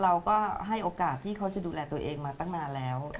เราก็ให้โอกาสที่เขาจะดูแลตัวเองมาตั้งนานแล้ว